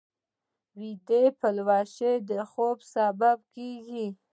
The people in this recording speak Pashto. ویده پلوشې د خوب سبب کېږي